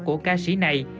của ca sĩ này